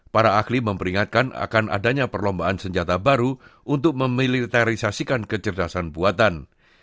para ahli memperingatkan akan adanya perlombaan senjata baru untuk memilitarisasikan kecerdasan buatan